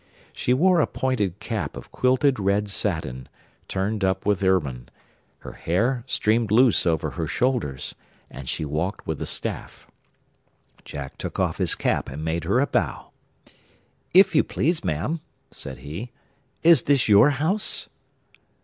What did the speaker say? She wore a pointed cap of quilted red satin turned up with ermine, her hair streamed loose over her shoulders, and she walked with a staff. Jack took off his cap and made her a bow. 'If you please, ma'am,' said he, 'is this your house?